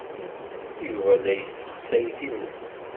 Yuba la yessexsay times.